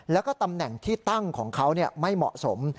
แล้วก็ตำแหน่งที่ตั้งของเขาไม่เหมาะสม